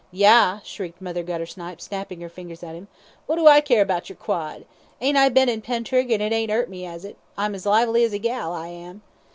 "Yah!" shrieked Mother Guttersnipe, snapping her fingers at him. "What do I care about yer quod? Ain't I bin in Pentrig', an' it ain't 'urt me, it ain't? I'm as lively as a gal, I am."